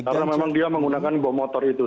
karena memang dia menggunakan bom motor itu